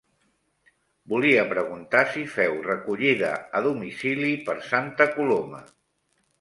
Volia preguntar si feu recollida a domicili per Santa Coloma?